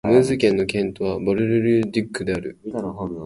ムーズ県の県都はバル＝ル＝デュックである